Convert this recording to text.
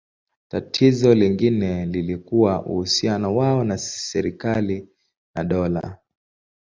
Tatizo lingine lilikuwa uhusiano wao na serikali na dola.